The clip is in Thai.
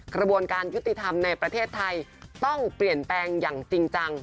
กระบวนการยุติธรรมในประเทศไทยต้องเปลี่ยนแปลงอย่างจริงจัง